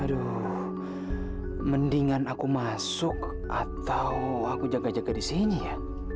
aduh mendingan aku masuk atau aku jaga jaga di sini ya